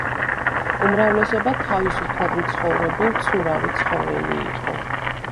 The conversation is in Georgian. უმრავლესობა თავისუფლად მცხოვრები მცურავი ცხოველი იყო.